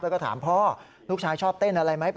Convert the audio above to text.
แล้วก็ถามพ่อลูกชายชอบเต้นอะไรไหม